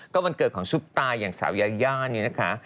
ก็วันเกิดของซุปตาอย่างสาวยาย่านี่นะคะ